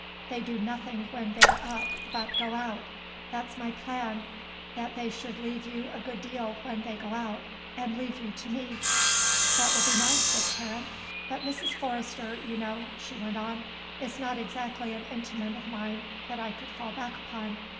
They do nothing when they're up but go out. That's my plan; that they should leave you a good deal when they go out, and leave you to me." "That will be nice," said Karen. "But Mrs. Forrester, you know," she went on, "is not exactly an intimate of mine that I could fall back upon.